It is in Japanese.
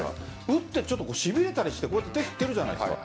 打ってしびれたりして手を振ってるじゃないですか。